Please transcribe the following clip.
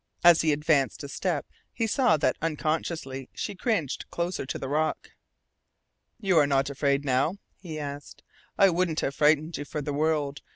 As he advanced a step he saw that unconsciously she cringed closer to the rock. "You are not afraid now?" he asked. "I wouldn't have frightened you for the world.